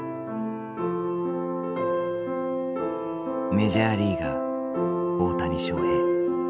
メジャーリーガー大谷翔平。